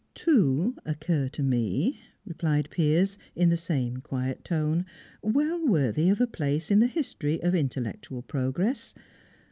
"Two occur to me," replied Piers, in the same quiet tone, "well worthy of a place in the history of intellectual progress.